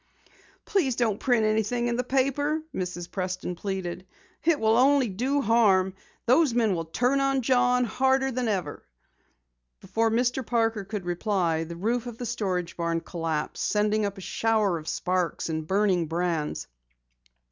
"Please don't print anything in the paper," Mrs. Preston pleaded. "It will only do harm. Those men will turn on John harder than ever." Before Mr. Parker could reply, the roof of the storage barn collapsed, sending up a shower of sparks and burning brands.